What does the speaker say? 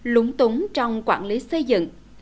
lúng túng trong quản lý xây dựng